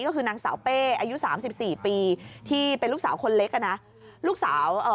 ก็คือนางสาวเป้อายุสามสิบสี่ปีที่เป็นลูกสาวคนเล็กอ่ะนะลูกสาวเอ่อ